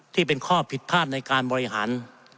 ที่เป็นข้อผิดพลาดในการบริหาร